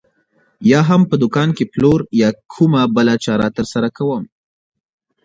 یا هم په دوکان کې پلور یا کومه بله چاره ترسره کوم.